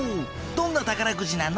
どんな宝くじなの？